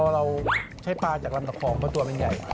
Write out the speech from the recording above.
เราใช้ปลาจากลำตะคองเพราะตัวมันใหญ่